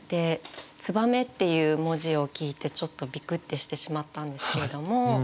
「燕」っていう文字を聞いてちょっとびくってしてしまったんですけれども。